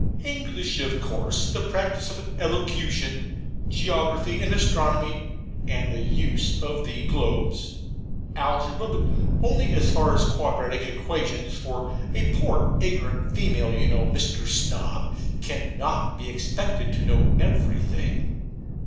English of course; the practice of Elocution, Geography, and Astronomy, and the Use of the Globes, Algebra (but only as far as quadratic equations); for a poor ignorant female, you know, Mr. Snob, cannot be expected to know everything.